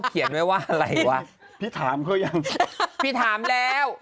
ที่ถามเค้ายัง